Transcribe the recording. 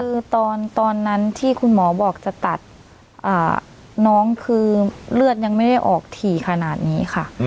คือตอนนั้นที่คุณหมอบอกจะตัดน้องคือเลือดยังไม่ได้ออกถี่ขนาดนี้ค่ะ